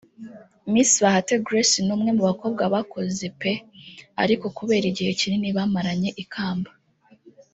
“Miss Bahati Grace ni umwe mu bakobwa bakoze pe ariko kubera igihe kinini yamaranye ikamba